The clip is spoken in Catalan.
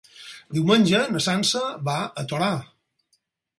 Diumenge na Sança va a Torà.